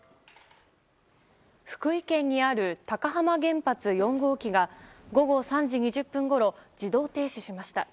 福井県にある高浜原発４号機が午後３時２０分ごろ自動停止しました。